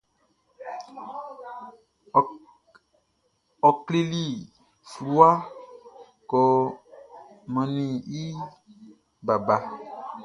Ɔ klɛli fluwa ko mannin i baba.